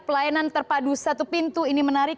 pelayanan terpadu satu pintu ini menarik